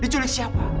di culik siapa